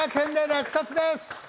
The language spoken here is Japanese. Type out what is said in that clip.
落札です。